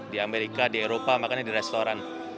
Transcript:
di amerika di eropa makannya di restoran